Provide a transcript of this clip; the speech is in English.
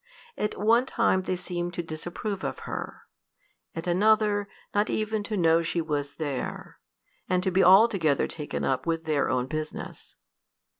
At one time they seemed to disapprove of her; at another, not even to know she was there, and to be altogether taken up with their own business.